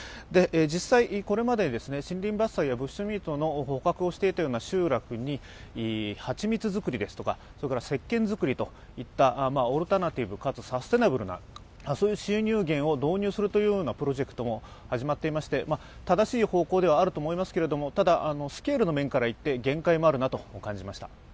実際、これまで森林伐採やブッシュミートの捕獲をしていた集落に蜂蜜作りですとかせっけんづくりといったオルタナティブかつサステナブルな収入源を確保するというプロジェクトも始まっていまして、正しい方向ではあると思いますが、スケールの面からいって限界があると思いました。